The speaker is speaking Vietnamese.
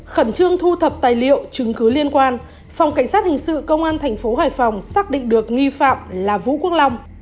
khẩn trương thu thập tài liệu chứng cứ liên quan phòng cảnh sát hình sự công an thành phố hải phòng xác định được nghi phạm là vũ quốc long